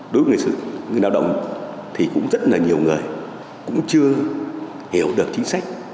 đối với người lao động thì cũng rất là nhiều người cũng chưa hiểu được chính sách